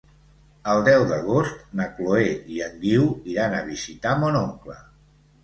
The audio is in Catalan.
El deu d'agost na Chloé i en Guiu iran a visitar mon oncle.